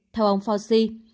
theo ông fauci